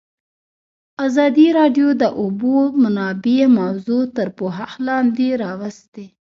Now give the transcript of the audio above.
ازادي راډیو د د اوبو منابع موضوع تر پوښښ لاندې راوستې.